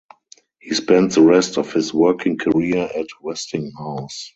He spent the rest of his working career at Westinghouse.